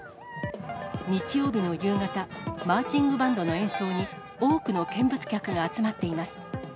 日曜日の夕方、マーチングバンドの演奏に、多くの見物客が集まっています。